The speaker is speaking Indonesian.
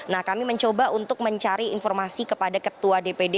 nah kami mencoba untuk mencari informasi kepada ketua dpd